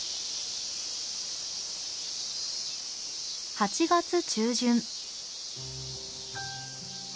８月中旬。